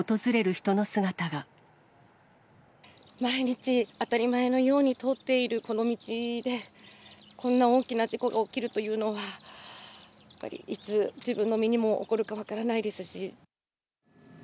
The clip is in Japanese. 毎日、当たり前のように通っているこの道で、こんな大きな事故が起きるというのは、やっぱり、いつ自分の身にも起こるか分からないですし。